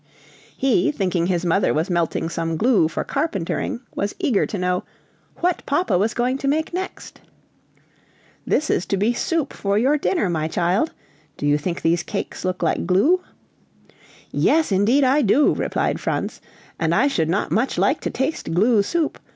He, thinking his mother was melting some glue for carpentering, was eager to know "what papa was going to make next?" "This is to be soup for your dinner, my child. Do you think these cakes look like glue?" "Yes, indeed I do!" replied Franz, "and I should not much like to taste glue soup!